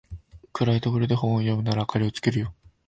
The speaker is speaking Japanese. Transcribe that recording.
暗いところで本を読むなら明かりつけるよ